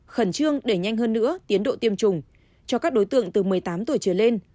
khẩn trương đẩy nhanh hơn nữa tiến độ tiêm chủng cho các đối tượng từ một mươi tám tuổi trở lên